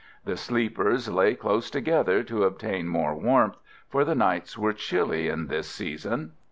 The sleepers lay close together to obtain more warmth, for the nights were chilly at this season.